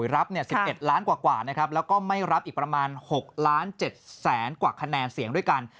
รับ๑๑ล้านกว่านะครับแล้วก็ไม่รับอีกประมาณ๖ล้าน๗แสนกว่าคะแนนเสียงด้วยกัน